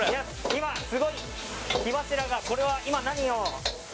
今すごい火柱がこれは今何を？